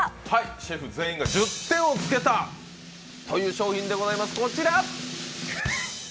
シェフ全員が１０点をつけた商品でございます、こちら。